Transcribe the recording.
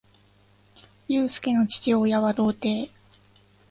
ゆうすけの父親は童貞